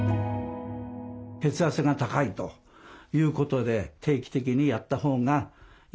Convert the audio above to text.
血圧が高いということで定期的にやったほうがいいんではないかと。